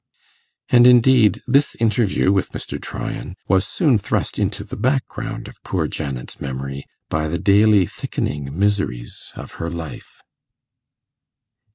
And indeed this interview with Mr. Tryan was soon thrust into the background of poor Janet's memory by the daily thickening miseries of her life.